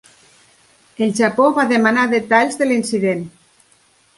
El Japó va demanar detalls de l'incident.